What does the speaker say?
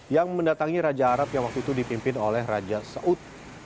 yang mendatangi raja arab yang waktu itu dipimpin oleh raja saud